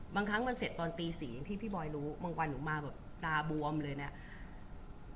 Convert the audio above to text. บางครั้งมันเสร็จตอนตี๔อย่างที่พี่บอยรู้บางวันหนูมาแบบตาบวมเลยเนี่ย